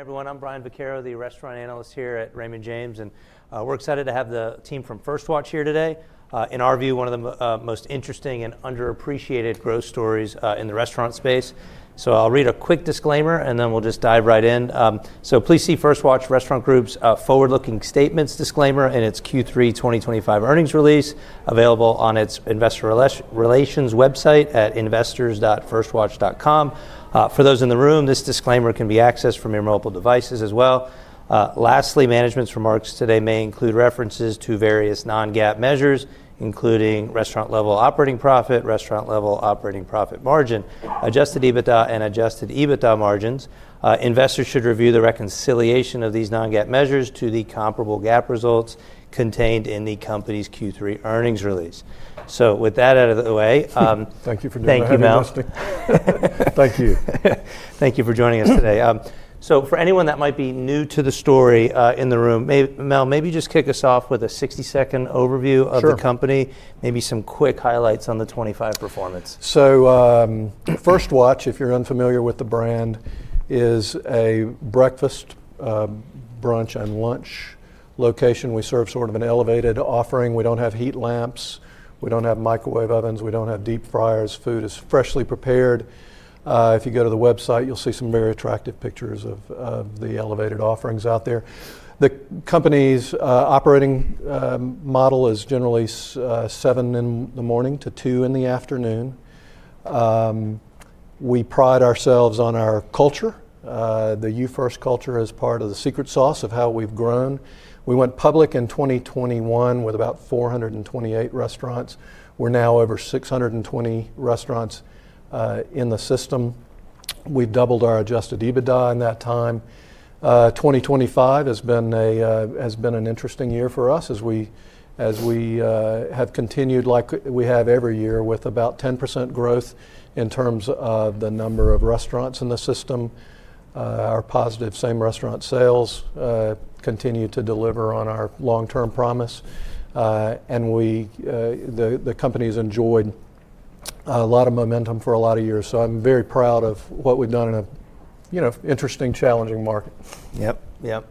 Hey, everyone. I'm Brian Vaccaro, the restaurant analyst here at Raymond James, and we're excited to have the team from First Watch here today. In our view, one of the most interesting and underappreciated growth stories in the restaurant space. So I'll read a quick disclaimer, and then we'll just dive right in. So please see First Watch Restaurant Group's forward-looking statements disclaimer in its Q3 2025 earnings release, available on its investor relations website at investors.firstwatch.com. For those in the room, this disclaimer can be accessed from your mobile devices as well. Lastly, management's remarks today may include references to various Restaurant-Level Operating Profit Margin, adjusted ebitda, and adjusted ebitda margins. investors should review the reconciliation of these non-GAAP measures to the comparable GAAP results contained in the company's Q3 earnings release. So with that out of the way. Thank you for doing that. Thank you, Mel. Thank you. Thank you for joining us today. So for anyone that might be new to the story in the room, Mel, maybe just kick us off with a 60-second overview of the company, maybe some quick highlights on the 2025 performance. So First Watch, if you're unfamiliar with the brand, is a breakfast, brunch, and lunch location. We serve sort of an elevated offering. We don't have heat lamps. We don't have microwave ovens. We don't have deep fryers. Food is freshly prepared. If you go to the website, you'll see some very attractive pictures of the elevated offerings out there. The company's operating model is generally 7:00 A.M. to 2:00 P.M. We pride ourselves on our culture, the You First culture, as part of the secret sauce of how we've grown. We went public in 2021 with about 428 restaurants. We're now over 620 restaurants in the system. We've doubled our Adjusted EBITDA in that time. 2025 has been an interesting year for us as we have continued like we have every year with about 10% growth in terms of the number of restaurants in the system. Our positive Same-Restaurant Sales continue to deliver on our long-term promise. And the company has enjoyed a lot of momentum for a lot of years. So I'm very proud of what we've done in an interesting, challenging market. Yep, yep.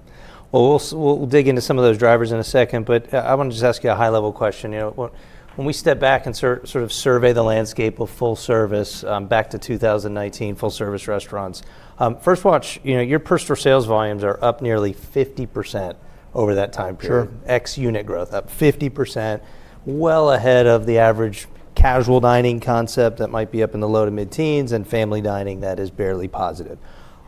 Well, we'll dig into some of those drivers in a second, but I want to just ask you a high-level question. When we step back and sort of survey the landscape of full service back to 2019, full-service restaurants, First Watch, your personal sales volumes are up nearly 50% over that time period. Sure. Our unit growth, up 50%, well ahead of the average casual dining concept that might be up in the low to mid-teens and family dining that is barely positive.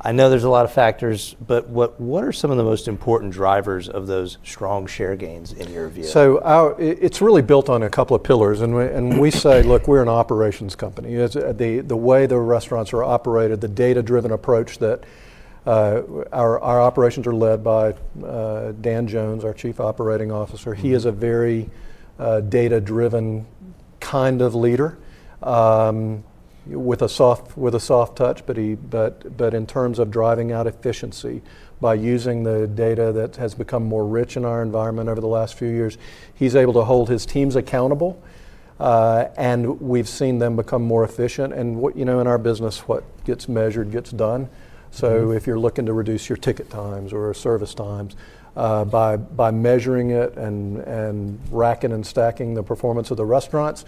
I know there's a lot of factors, but what are some of the most important drivers of those strong share gains in your view? So it's really built on a couple of pillars. And we say, look, we're an operations company. The way the restaurants are operated, the data-driven approach that our operations are led by Dan Jones, our Chief Operating Officer. He is a very data-driven kind of leader with a soft touch, but in terms of driving out efficiency by using the data that has become more rich in our environment over the last few years, he's able to hold his teams accountable. And we've seen them become more efficient. And you know in our business, what gets measured gets done. So if you're looking to reduce your ticket times or service times by measuring it and racking and stacking the performance of the restaurants,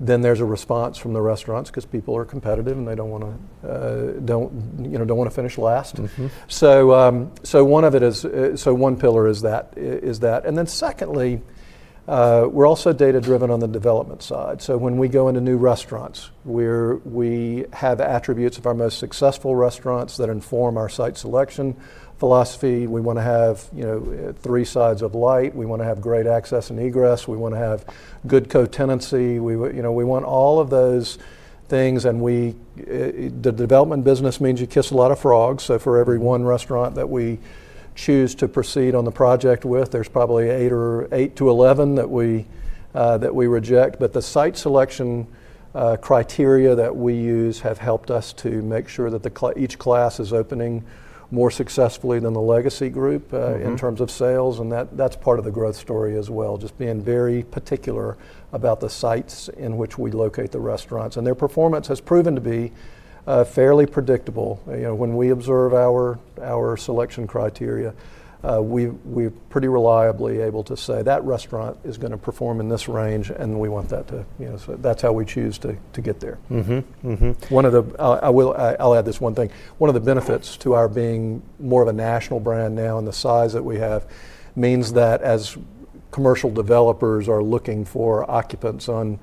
then there's a response from the restaurants because people are competitive and they don't want to finish last. One pillar is that, and then secondly, we're also data-driven on the development side, so when we go into new restaurants, we have attributes of our most successful restaurants that inform our site selection philosophy. We want to have three sides of light. We want to have great access and egress. We want to have good cotenancy. We want all of those things, and the development business means you kiss a lot of frogs, so for every one restaurant that we choose to proceed on the project with, there's probably eight to 11 that we reject, but the site selection criteria that we use have helped us to make sure that each class is opening more successfully than the legacy group in terms of sales. That's part of the growth story as well, just being very particular about the sites in which we locate the restaurants. Their performance has proven to be fairly predictable. When we observe our selection criteria, we're pretty reliably able to say that restaurant is going to perform in this range, and we want that to, so that's how we choose to get there. I'll add this one thing. One of the benefits to our being more of a national brand now and the size that we have means that as commercial developers are looking for occupants on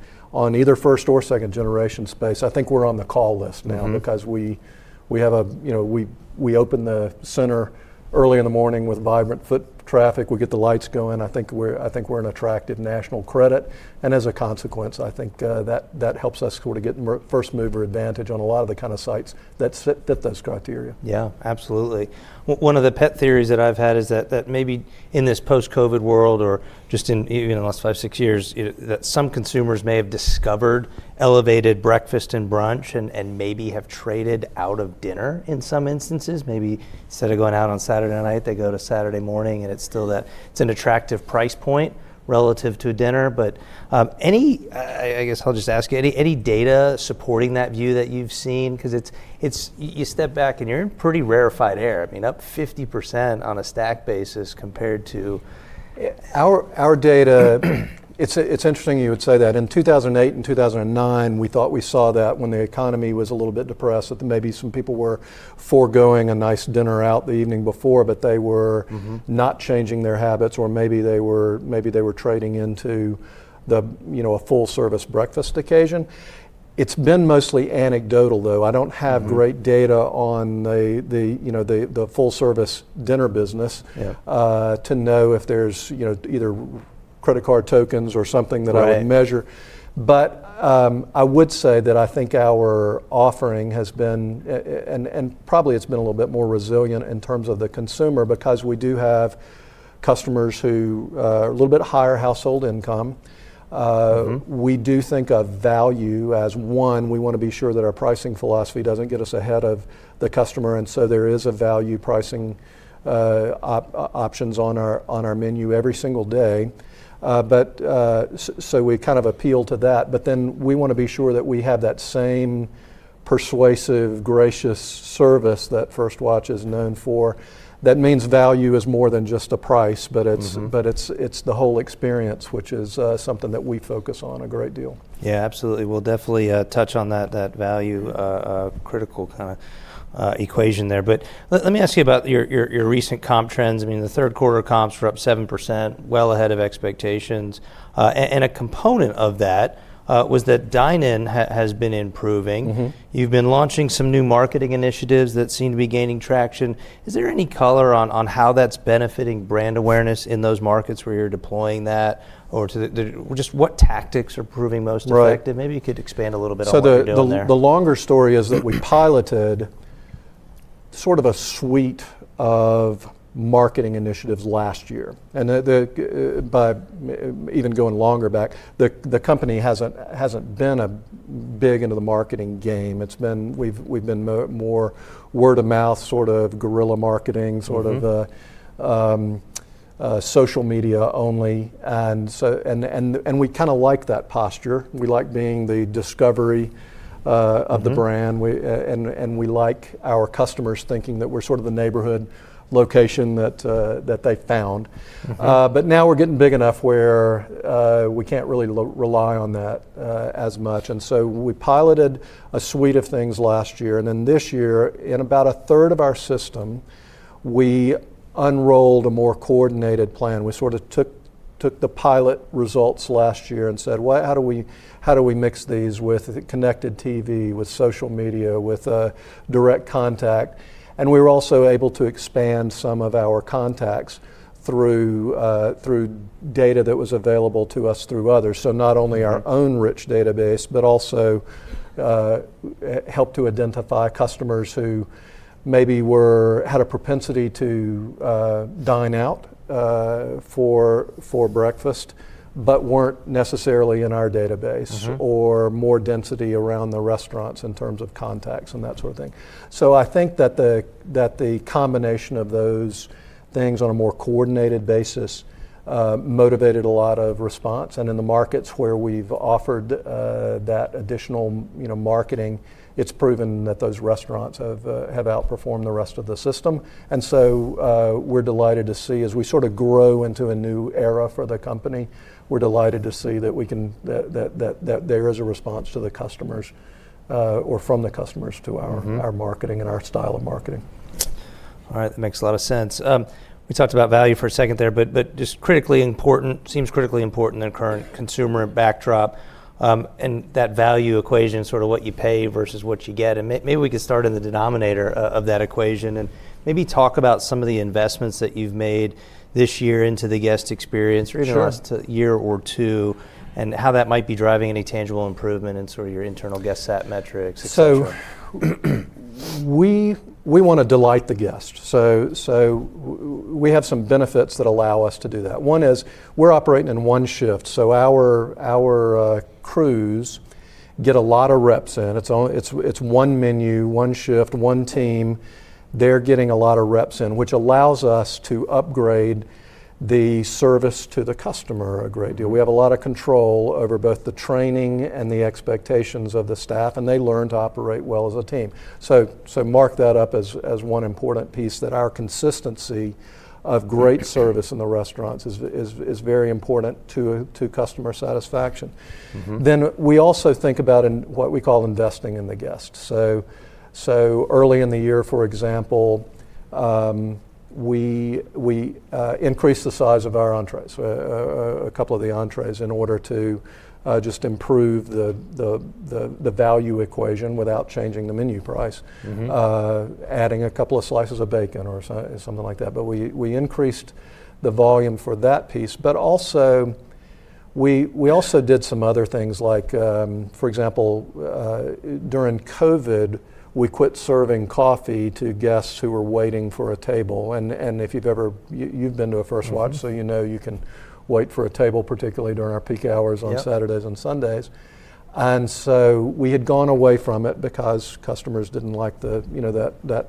either first or second-generation space, I think we're on the call list now because we open the center early in the morning with vibrant foot traffic. We get the lights going. I think we're an attractive national credit. As a consequence, I think that helps us sort of get first mover advantage on a lot of the kind of sites that fit those criteria. Yeah, absolutely. One of the pet theories that I've had is that maybe in this post-COVID world or just in the last five, six years, that some consumers may have discovered elevated breakfast and brunch and maybe have traded out of dinner in some instances. Maybe instead of going out on Saturday night, they go to Saturday morning, and it's still that it's an attractive price point relative to dinner. But I guess I'll just ask you, any data supporting that view that you've seen? Because you step back and you're in pretty rarefied air. I mean, up 50% on a stack basis compared to. Our data. It's interesting you would say that. In 2008 and 2009, we thought we saw that when the economy was a little bit depressed, that maybe some people were forgoing a nice dinner out the evening before, but they were not changing their habits, or maybe they were trading into a full-service breakfast occasion. It's been mostly anecdotal, though. I don't have great data on the full-service dinner business to know if there's either credit card tokens or something that I would measure, but I would say that I think our offering has been, and probably it's been a little bit more resilient in terms of the consumer because we do have customers who are a little bit higher household income. We do think of value as one. We want to be sure that our pricing philosophy doesn't get us ahead of the customer. And so there is a value pricing options on our menu every single day. So we kind of appeal to that. But then we want to be sure that we have that same persuasive, gracious service that First Watch is known for. That means value is more than just a price, but it's the whole experience, which is something that we focus on a great deal. Yeah, absolutely. We'll definitely touch on that value critical kind of equation there. But let me ask you about your recent comp trends. I mean, the third quarter comps were up 7%, well ahead of expectations. And a component of that was that dine-in has been improving. You've been launching some new marketing initiatives that seem to be gaining traction. Is there any color on how that's benefiting brand awareness in those markets where you're deploying that? Or just what tactics are proving most effective? Maybe you could expand a little bit on that. So the longer story is that we piloted sort of a suite of marketing initiatives last year. And by even going longer back, the company hasn't been big into the marketing game. We've been more word of mouth, sort of guerrilla marketing, sort of social media only. And we kind of like that posture. We like being the discovery of the brand. And we like our customers thinking that we're sort of the neighborhood location that they found. But now we're getting big enough where we can't really rely on that as much. And so we piloted a suite of things last year. And then this year, in about a third of our system, we unrolled a more coordinated plan. We sort of took the pilot results last year and said, how do we mix these with Connected TV, with social media, with direct contact? And we were also able to expand some of our contacts through data that was available to us through others. So not only our own rich database, but also helped to identify customers who maybe had a propensity to dine out for breakfast, but weren't necessarily in our database, or more density around the restaurants in terms of contacts and that sort of thing. So I think that the combination of those things on a more coordinated basis motivated a lot of response. And in the markets where we've offered that additional marketing, it's proven that those restaurants have outperformed the rest of the system. And so we're delighted to see as we sort of grow into a new era for the company, we're delighted to see that there is a response to the customers or from the customers to our marketing and our style of marketing. All right, that makes a lot of sense. We talked about value for a second there, but just critically important, seems critically important in a current consumer backdrop. And that value equation, sort of what you pay versus what you get. And maybe we could start in the denominator of that equation and maybe talk about some of the investments that you've made this year into the guest experience or even the last year or two and how that might be driving any tangible improvement in sort of your internal guest sat metrics? So we want to delight the guest. So we have some benefits that allow us to do that. One is we're operating in one shift. So our crews get a lot of reps in. It's one menu, one shift, one team. They're getting a lot of reps in, which allows us to upgrade the service to the customer a great deal. We have a lot of control over both the training and the expectations of the staff, and they learn to operate well as a team. So mark that up as one important piece that our consistency of great service in the restaurants is very important to customer satisfaction. Then we also think about what we call investing in the guest. Early in the year, for example, we increased the size of our entrees, a couple of the entrees in order to just improve the value equation without changing the menu price, adding a couple of slices of bacon or something like that. But we increased the volume for that piece. But we also did some other things like, for example, during COVID, we quit serving coffee to guests who were waiting for a table. And if you've been to a First Watch, so you know you can wait for a table, particularly during our peak hours on Saturdays and Sundays. And so we had gone away from it because customers didn't like that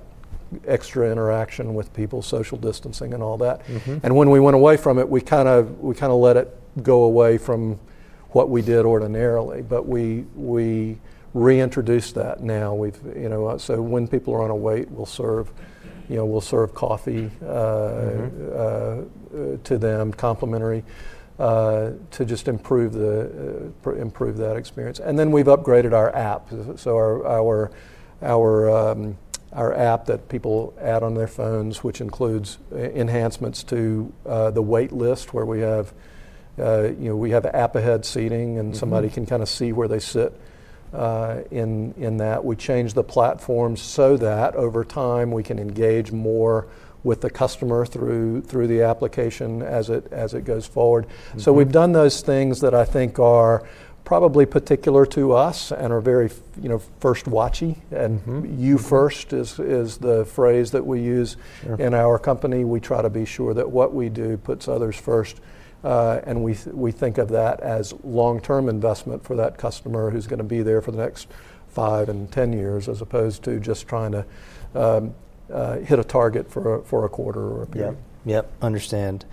extra interaction with people, social distancing and all that. And when we went away from it, we kind of let it go away from what we did ordinarily. But we reintroduced that now. So when people are on a wait, we'll serve coffee to them, complimentary, to just improve that experience, and then we've upgraded our app, so our app that people add on their phones, which includes enhancements to the waitlist where we have app-ahead seating and somebody can kind of see where they sit in that. We changed the platform so that over time we can engage more with the customer through the application as it goes forward, so we've done those things that I think are probably particular to us and are very First Watch-y, and You First is the phrase that we use in our company. We try to be sure that what we do puts others first. We think of that as long-term investment for that customer who's going to be there for the next five and ten years as opposed to just trying to hit a target for a quarter or a period. Yep, yep, understand.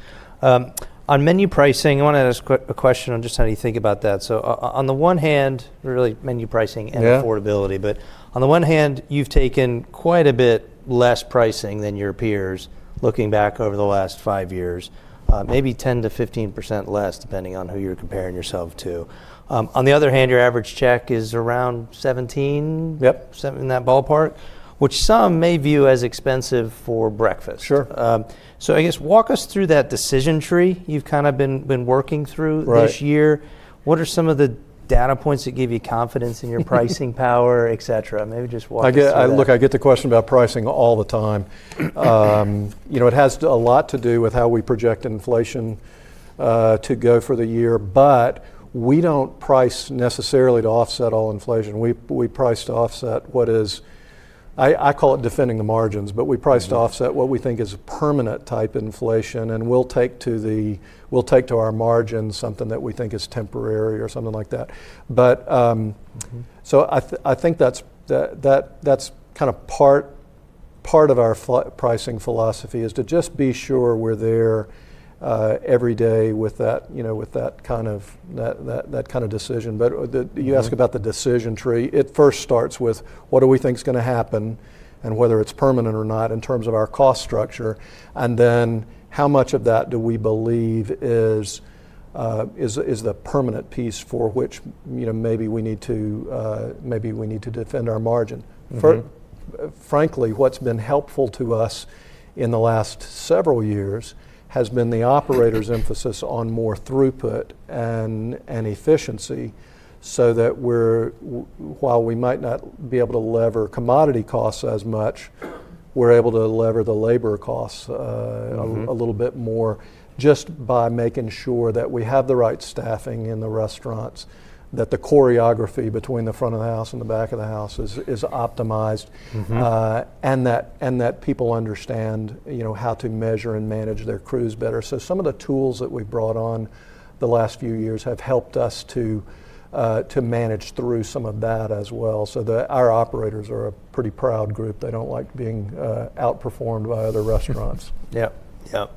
On menu pricing, I want to ask a question on just how do you think about that. So on the one hand, really menu pricing and affordability. But on the one hand, you've taken quite a bit less pricing than your peers looking back over the last five years, maybe 10%-15% less depending on who you're comparing yourself to. On the other hand, your average check is around $17, in that ballpark, which some may view as expensive for breakfast. So I guess walk us through that decision tree you've kind of been working through this year. What are some of the data points that give you confidence in your pricing power, et cetera? Maybe just walk us through. Look, I get the question about pricing all the time. It has a lot to do with how we project inflation to go for the year. But we don't price necessarily to offset all inflation. We price to offset what is, I call it defending the margins, but we price to offset what we think is a permanent type inflation, and we'll take to our margins something that we think is temporary or something like that, so I think that's kind of part of our pricing philosophy is to just be sure we're there every day with that kind of decision, but you ask about the decision tree. It first starts with what do we think is going to happen and whether it's permanent or not in terms of our cost structure. And then how much of that do we believe is the permanent piece for which maybe we need to defend our margin? Frankly, what's been helpful to us in the last several years has been the operator's emphasis on more throughput and efficiency so that while we might not be able to lever commodity costs as much, we're able to lever the labor costs a little bit more just by making sure that we have the right staffing in the restaurants, that the choreography between the front of the house and the back of the house is optimized, and that people understand how to measure and manage their crews better. So some of the tools that we've brought on the last few years have helped us to manage through some of that as well. So our operators are a pretty proud group. They don't like being outperformed by other restaurants. Yep, yep.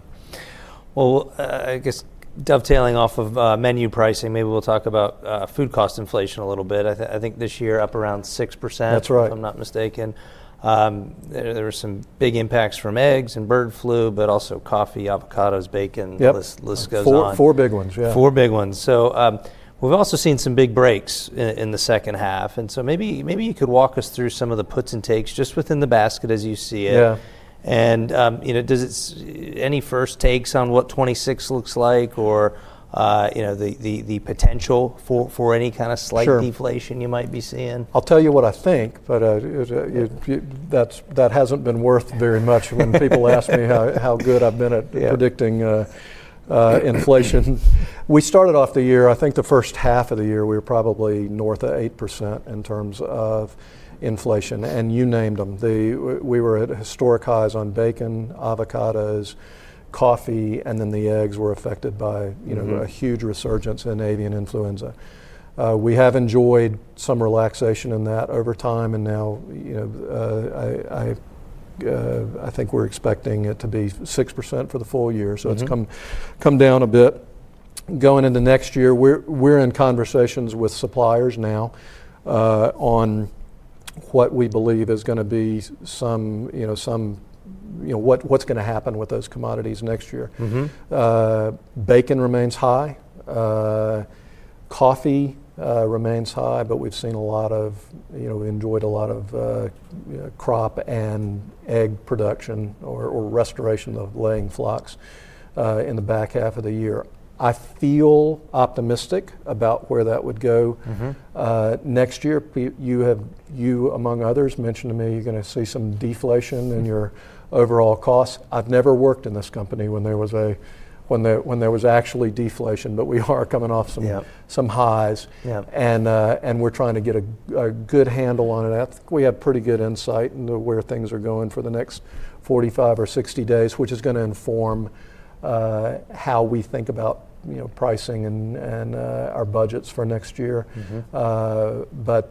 Well, I guess dovetailing off of menu pricing, maybe we'll talk about food cost inflation a little bit. I think this year up around 6%, if I'm not mistaken. There were some big impacts from eggs and bird flu, but also coffee, avocados, bacon, the list goes on. Four big ones, yeah. Four big ones. So we've also seen some big breaks in the second half. And so maybe you could walk us through some of the puts and takes just within the basket as you see it. And do you have any first takes on what 2026 looks like or the potential for any kind of slight deflation you might be seeing? I'll tell you what I think, but that hasn't been worth very much when people ask me how good I've been at predicting inflation. We started off the year, I think the first half of the year, we were probably north of 8% in terms of inflation, and you named them. We were at historic highs on bacon, avocados, coffee, and then the eggs were affected by a huge resurgence in avian influenza. We have enjoyed some relaxation in that over time, and now I think we're expecting it to be 6% for the full year, so it's come down a bit. Going into next year, we're in conversations with suppliers now on what we believe is going to be some, what's going to happen with those commodities next year. Bacon remains high. Coffee remains high, but we've seen a lot of, we enjoyed a lot of crop and egg production or restoration of laying flocks in the back half of the year. I feel optimistic about where that would go. Next year, you among others mentioned to me you're going to see some deflation in your overall costs. I've never worked in this company when there was actually deflation, but we are coming off some highs, and we're trying to get a good handle on it. We have pretty good insight into where things are going for the next 45 or 60 days, which is going to inform how we think about pricing and our budgets for next year, but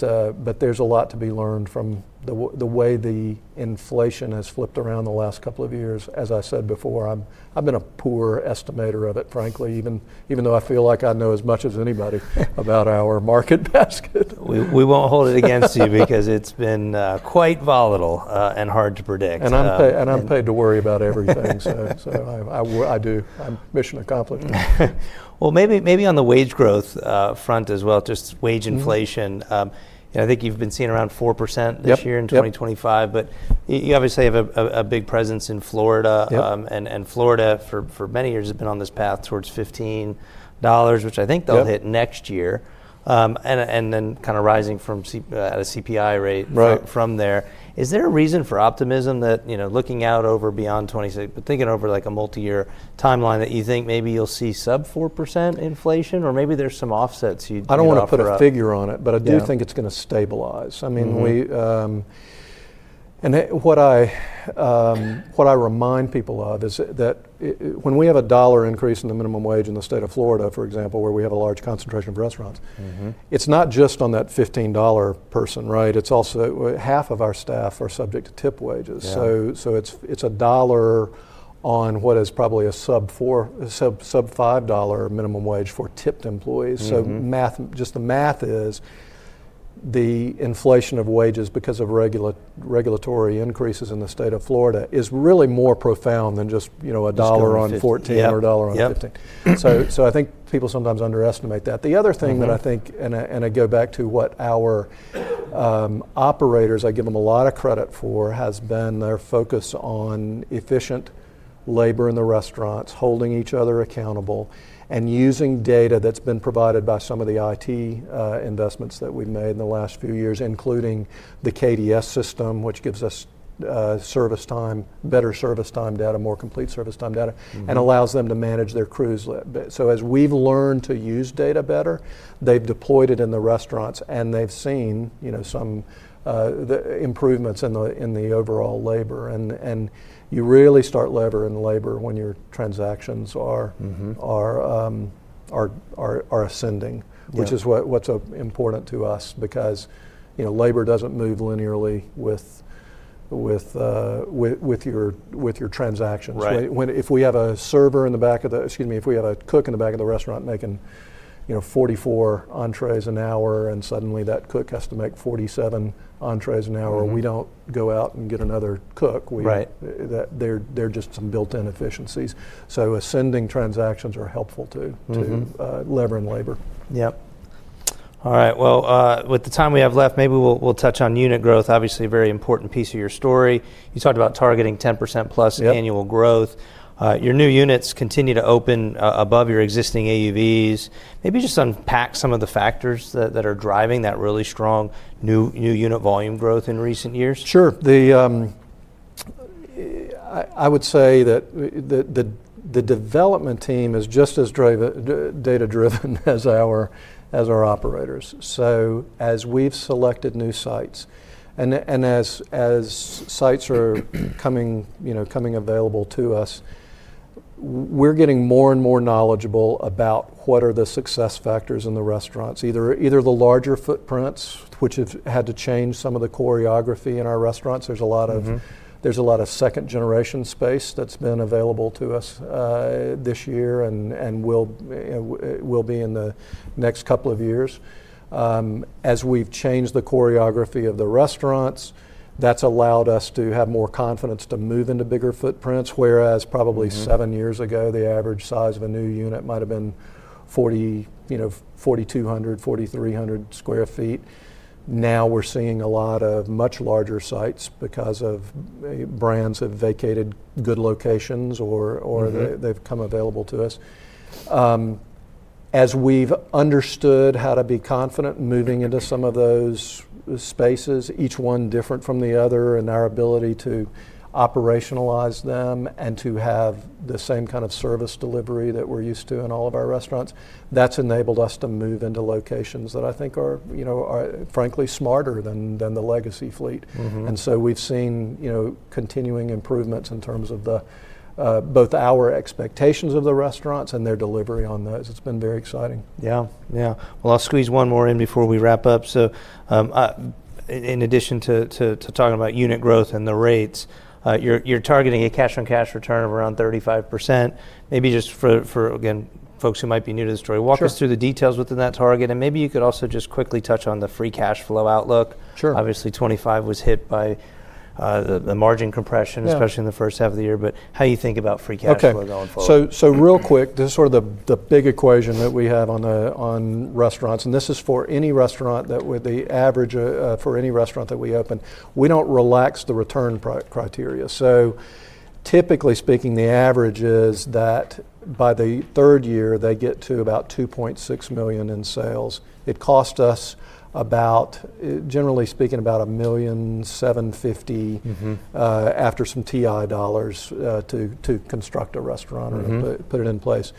there's a lot to be learned from the way the inflation has flipped around the last couple of years. As I said before, I've been a poor estimator of it, frankly, even though I feel like I know as much as anybody about our market basket. We won't hold it against you because it's been quite volatile and hard to predict. And I'm paid to worry about everything. So I do. I'm mission accomplished. Well, maybe on the wage growth front as well, just wage inflation. I think you've been seeing around 4% this year in 2025. But you obviously have a big presence in Florida. And Florida for many years has been on this path towards $15, which I think they'll hit next year. And then kind of rising from at a CPI rate from there. Is there a reason for optimism that looking out over beyond 26, but thinking over like a multi-year timeline that you think maybe you'll see sub 4% inflation or maybe there's some offsets you do have to put up? I don't want to put a figure on it, but I do think it's going to stabilize. I mean, what I remind people of is that when we have a $1 increase in the minimum wage in the state of Florida, for example, where we have a large concentration of restaurants, it's not just on that $15 person, right? It's also half of our staff are subject to tip wages. So it's a $1 on what is probably a sub $5 minimum wage for tipped employees. So just the math is the inflation of wages because of regulatory increases in the state of Florida is really more profound than just a $1 on $14 or a $1 on $15. So I think people sometimes underestimate that. The other thing that I think, and I go back to what our operators, I give them a lot of credit for, has been their focus on efficient labor in the restaurants, holding each other accountable, and using data that's been provided by some of the IT investments that we've made in the last few years, including the KDS system, which gives us service time, better service time data, more complete service time data, and allows them to manage their crews. So as we've learned to use data better, they've deployed it in the restaurants and they've seen some improvements in the overall labor. And you really start leveraging labor when your transactions are ascending, which is what's important to us because labor doesn't move linearly with your transactions. If we have a server in the back of the, excuse me, if we have a cook in the back of the restaurant making 44 entrees an hour and suddenly that cook has to make 47 entrees an hour, we don't go out and get another cook. They're just some built-in efficiencies. So increasing transactions are helpful to leveraging labor. Yep. All right. With the time we have left, maybe we'll touch on unit growth, obviously a very important piece of your story. You talked about targeting 10% plus annual growth. Your new units continue to open above your existing AUVs. Maybe just unpack some of the factors that are driving that really strong new unit volume growth in recent years. Sure. I would say that the development team is just as data-driven as our operators, so as we've selected new sites and as sites are coming available to us, we're getting more and more knowledgeable about what are the success factors in the restaurants, either the larger footprints, which have had to change some of the choreography in our restaurants. There's a lot of second-generation space that's been available to us this year and will be in the next couple of years. As we've changed the choreography of the restaurants, that's allowed us to have more confidence to move into bigger footprints, whereas probably seven years ago, the average size of a new unit might have been 4,200-4,300 sq ft. Now we're seeing a lot of much larger sites because brands have vacated good locations or they've come available to us. As we've understood how to be confident moving into some of those spaces, each one different from the other and our ability to operationalize them and to have the same kind of service delivery that we're used to in all of our restaurants, that's enabled us to move into locations that I think are frankly smarter than the legacy fleet, and so we've seen continuing improvements in terms of both our expectations of the restaurants and their delivery on those. It's been very exciting. Yeah, yeah. Well, I'll squeeze one more in before we wrap up. So in addition to talking about unit growth and the rates, you're targeting a cash-on-cash return of around 35%, maybe just for, again, folks who might be new to the story. Walk us through the details within that target. And maybe you could also just quickly touch on the free cash flow outlook. Obviously, 2025 was hit by the margin compression, especially in the first half of the year. But how do you think about free cash flow going forward? Okay, so real quick, this is sort of the big equation that we have on restaurants. And this is for any restaurant that, with the average for any restaurant that we open, we don't relax the return criteria. So typically speaking, the average is that by the third year, they get to about $2.6 million in sales. It costs us about, generally speaking, about $1.75 million after some TI dollars to construct a restaurant or to put it in place.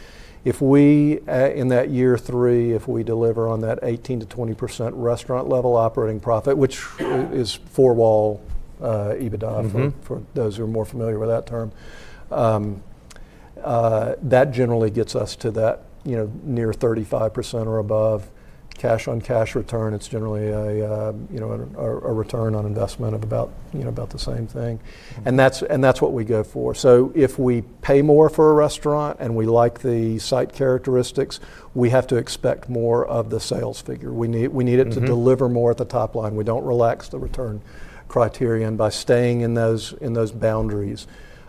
If we, in that year three, if we deliver on that 18%-20% Restaurant-Level Operating Profit, which is four-wall EBITDA for those who are more familiar with that term, that generally gets us to that near 35% or above cash-on-cash return. It's generally a return on investment of about the same thing. And that's what we go for. So if we pay more for a restaurant and we like the site characteristics, we have to expect more of the sales figure. We need it to deliver more at the top line. We don't relax the return criteria. And by staying in those boundaries,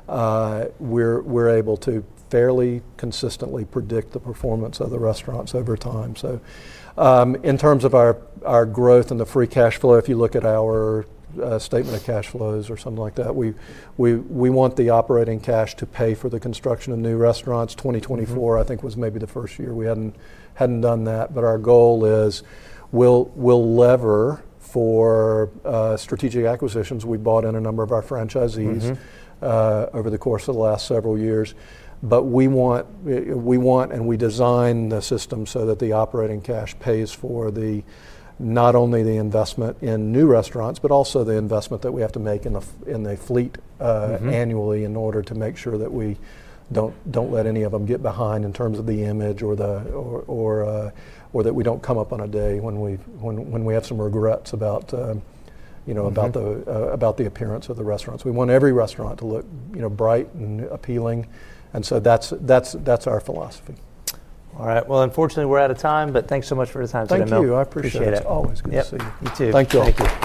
we're able to fairly consistently predict the performance of the restaurants over time. So in terms of our growth and the free cash flow, if you look at our statement of cash flows or something like that, we want the operating cash to pay for the construction of new restaurants. 2024, I think, was maybe the first year we hadn't done that. But our goal is we'll leverage for strategic acquisitions. We bought out a number of our franchisees over the course of the last several years. But we want, and we design the system so that the operating cash pays for not only the investment in new restaurants, but also the investment that we have to make in the fleet annually in order to make sure that we don't let any of them get behind in terms of the image or that we don't come up on a day when we have some regrets about the appearance of the restaurants. We want every restaurant to look bright and appealing. And so that's our philosophy. All right. Well, unfortunately, we're out of time, but thanks so much for your time today, Mel. Thank you. I appreciate it. Always good to see you. You too. Thank you. Thank you.